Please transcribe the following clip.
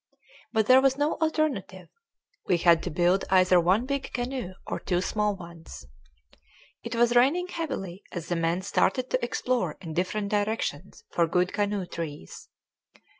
But there was no alternative. We had to build either one big canoe or two small ones. It was raining heavily as the men started to explore in different directions for good canoe trees.